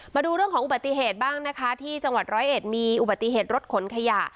มาดูเรื่องของอุบัติเหตุบ้างนะคะที่จังหวัดร้อยเอ็ดมีอุบัติเหตุรถขนขยะ